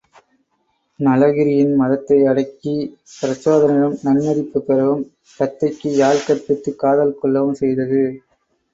நளகிரியின் மதத்தை அடக்கிப் பிரச்சோதனனிடம் நன்மதிப்புப் பெறவும், தத்தைக்கு யாழ் கற்பித்துக் காதல் கொள்ளவும் செய்தது.